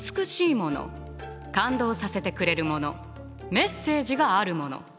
メッセージがあるもの